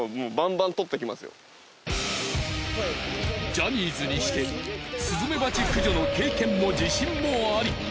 ジャニーズにしてスズメバチ駆除の経験も自信もあり！